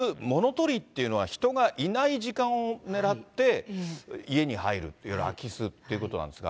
ただもう、アンミカさん、普通、ものとりっていうのは人がいない時間を狙って、家に入る、いわゆる空き巣っていうことなんですが。